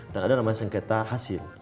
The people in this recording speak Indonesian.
dan ada namanya sengketa hasil